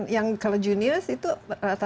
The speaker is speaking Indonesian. dan kalau juniors itu rata rata